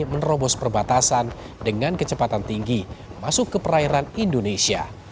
menerobos perbatasan dengan kecepatan tinggi masuk ke perairan indonesia